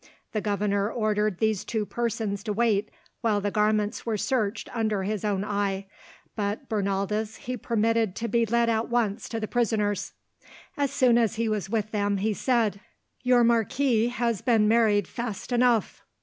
The governor ordered these two persons to wait while the garments were searched under his own eye, but Bernaldez he permitted to be led at once to the prisoners. As soon as he was with them he said: "Your marquis has been married fast enough."